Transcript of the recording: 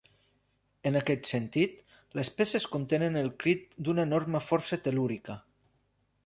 En aquest sentit, les peces contenen el crit d’una enorme força tel·lúrica.